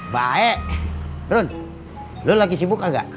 baik run lo lagi sibuk gak